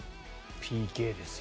ＰＫですよ。